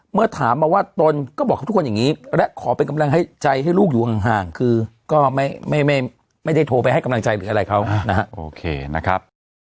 เมื่อถามมาว่าตนก็บอกกับทุกคนอย่างนี้และขอเป็นกำลังใจให้ใจให้ลูกอยู่ห่างคือก็ไม่ได้โทรไปให้กำลังใจหรืออะไรเขานะฮะโอเคนะครับ